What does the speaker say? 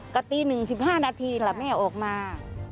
ก็ตีหนึ่งสิบห้านาทีเหรอแม่ออกมา